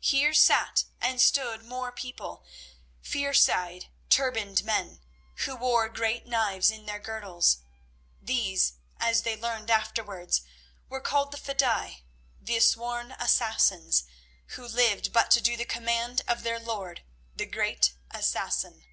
Here sat and stood more people, fierce eyed, turbaned men, who wore great knives in their girdles. These, as they learned afterwards, were called the fedaï, the sworn assassins, who lived but to do the command of their lord the great Assassin.